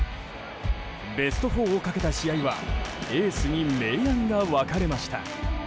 ベスト４をかけた試合はエースに明暗が分かれました。